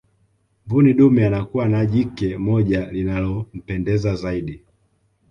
mbuni dume anakuwa na jike moja linalompendeza zaidi